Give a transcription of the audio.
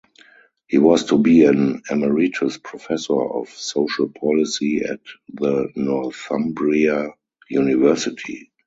He was to be an Emeritus Professor of Social Policy at the Northumbria University.